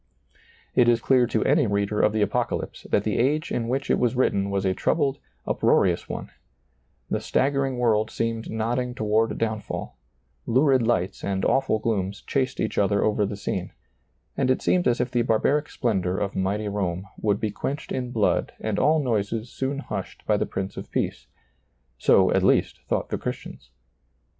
It is clear to any reader of the Apocalypse that the age in which It was written was a troubled, up roarious one ; the staggering world seemed nodding toward downfall; lurid lights and awful glooms chased each other over the scene ; and it seemed as if the barbaric splendor of mighty Rome would be quenched in blood and all noises soon hushed by the Prince of Peace : so, at least, thought the Christians.